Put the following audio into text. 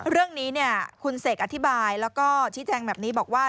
เรื่องนี้เนี่ยคุณเสกอธิบายแล้วก็ชี้แจงแบบนี้บอกว่า